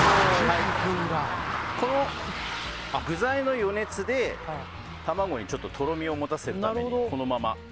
この具材の余熱で卵にちょっととろみを持たせるためにこのまま。